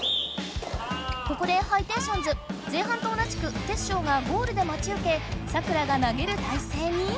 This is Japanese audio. ここでハイテンションズ前半と同じくテッショウがゴールで待ちうけサクラが投げるたいせいに！